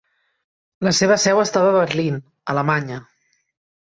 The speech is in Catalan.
La seva seu estava a Berlin, Alemanya.